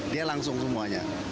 dia langsung semuanya